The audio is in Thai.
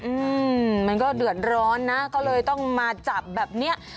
อืมมันก็เดือดร้อนนะก็เลยต้องมาจับแบบเนี้ย